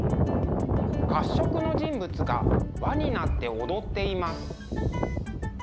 褐色の人物が輪になって踊っています。